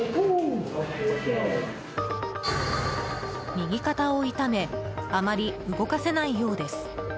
右肩を痛めあまり動かせないようです。